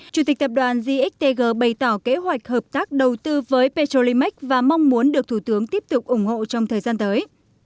chủ tịch tập đoàn gxtg bày tỏ kế hoạch hợp tác đầu tư với petrolimac và mong muốn được thủ tướng tiếp tục ủng hộ trong thời gian tới